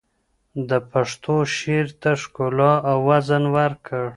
ده پښتو شعر ته ښکلا او وزن ورکړ